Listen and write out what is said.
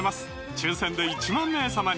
抽選で１万名様に！